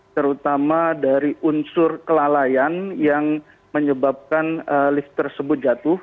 terutama dari unsur kelalaian yang menyebabkan lift tersebut jatuh